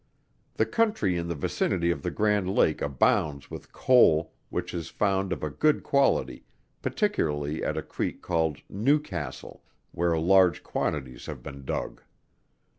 The country in the vicinity of the Grand Lake abounds with coal, which is found of a good quality, particularly at a creek called New Castle, where large quantities have been dug.